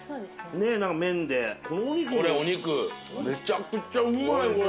これお肉めちゃくちゃうまいこれ。